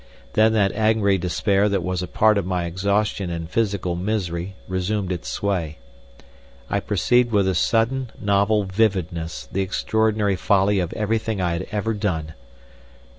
Then that angry despair that was a part of my exhaustion and physical misery resumed its sway. I perceived with a sudden novel vividness the extraordinary folly of everything I had ever done.